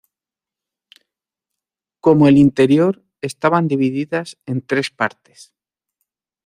Como el interior, estaban divididas en tres partes.